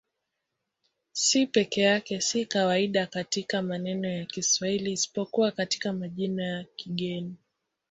C peke yake si kawaida katika maneno ya Kiswahili isipokuwa katika majina ya kigeni.